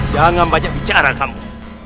jangan banyak bicara kamu